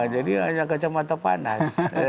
jadi hanya kacamata panas